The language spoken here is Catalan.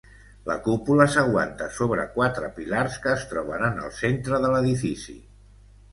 La cúpula s'aguanta sobre quatre pilars, que es troben en el centre de l'edifici.